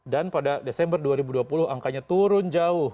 dan pada desember dua ribu dua puluh angkanya turun jauh